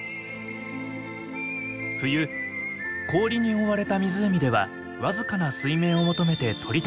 冬氷に覆われた湖では僅かな水面を求めて鳥たちが集まります。